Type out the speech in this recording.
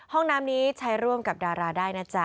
ห้องน้ำนี้ใช้ร่วมกับดาราได้นะจ๊ะ